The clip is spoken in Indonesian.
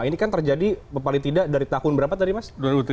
ini kan terjadi paling tidak dari tahun berapa tadi mas